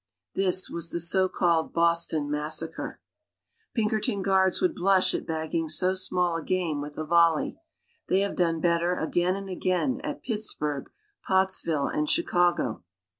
This was the so called Boston massacre. Pinkerton guards would blush at bagging so small a game with a volley. They have done better again and again at Pittsburgh, Pottsville and Chicago.